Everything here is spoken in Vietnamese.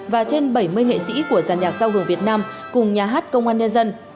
và trên bảy mươi nghệ sĩ của giàn nhạc sao hưởng việt nam cùng nhà hát công an nhân dân